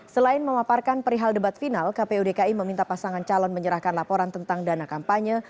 selain memaparkan perihal debat final kpu dki meminta pasangan calon menyerahkan laporan tentang dana kampanye